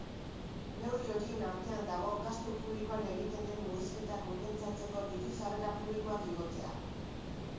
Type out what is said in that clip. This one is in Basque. Neurri horien artean dago gastu publikoan egiten den murrizketa konpentsatzeko diru-sarrera publikoak igotzea.